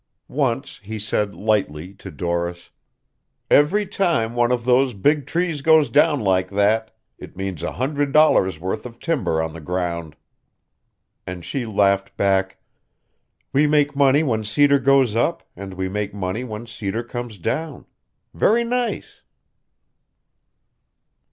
Once he said lightly to Doris: "Every time one of those big trees goes down like that it means a hundred dollars' worth of timber on the ground." And she laughed back: "We make money when cedar goes up, and we make money when cedar comes down. Very nice."